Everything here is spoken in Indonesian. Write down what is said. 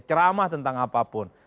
ceramah tentang apapun